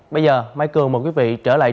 bây giờ mai cường mời quý vị trở lại